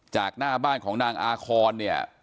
จากหน้าบ้านของนางอาคอนเนี่ย